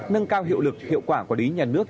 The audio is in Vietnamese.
nâng cao hiệu lực hiệu quả quản lý nhà nước